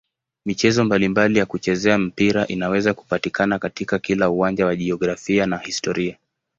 Michezo mbalimbali ya kuchezea mpira inaweza kupatikana katika kila uwanja wa jiografia na historia.